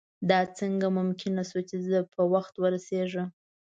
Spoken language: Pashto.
دا څنګه ممکنه شوه چې زه په وخت ورسېږم.